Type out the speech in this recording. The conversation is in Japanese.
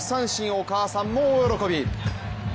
お母さんも大喜び。